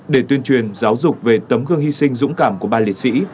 để tuyên truyền giáo dục về tấm gương hy sinh dũng cảm của ba liệt sĩ